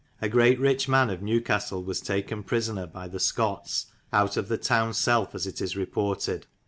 A great riche man of Newcastelle was taken prisoner by the Scottes owt of the town self as it is reportid.